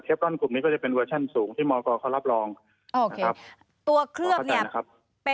เทฟรอนกลุ่มนี้ก็จะเป็นเวอร์ชันสูงที่มกเขารับรองโอเคตัวเคลือบเนี้ยครับ